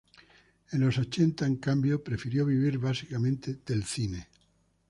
En los ochenta, en cambio, prefirió vivir básicamente del cine.